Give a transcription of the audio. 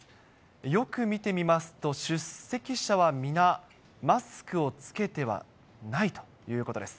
よく見てみますと、出席者は皆、マスクを着けてはないということです。